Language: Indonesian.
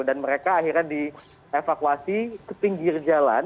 dan mereka akhirnya dievakuasi ke pinggir jalan